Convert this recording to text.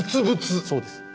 そうです。